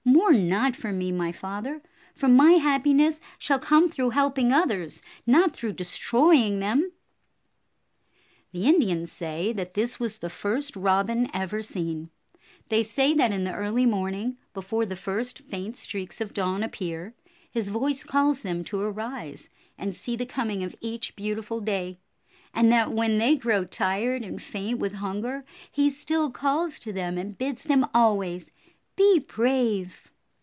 Mourn not for. me, my father, for my happiness shall come through helping others, not through destroying them." The Indians say that this was the first Robin ever seen. They say that in the early morning, before the first faint streaks of dawn appear, his voice calls them to arise and see the coming of each beauti ful day, and that when they grow tired and faint with hunger, he still calls to them and bids them always, "Be brave."